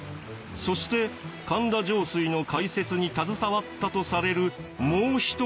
そして神田上水の開設に携わったとされるもう一人が。